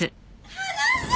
離してよ！